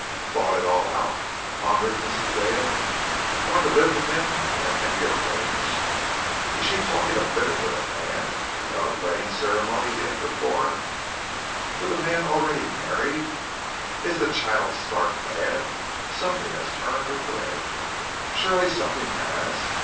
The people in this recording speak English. "Thought it all out!" pondered Mrs. Dale. "Going to live with him when it can be arranged! Is she talking of living with a man without a wedding ceremony being performed? With a man already married! Is the child stark mad? Something has turned her brain. Surely something has.